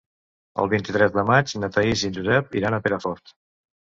El vint-i-tres de maig na Thaís i en Josep iran a Perafort.